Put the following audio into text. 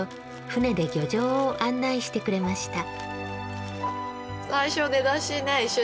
船で漁場を案内してくれました。